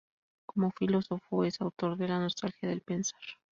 Como filósofo, es autor de "La nostalgia del pensar.